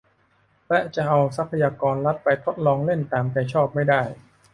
และจะเอาทรัพยากรรัฐไปทดลองเล่นตามใจชอบไม่ได้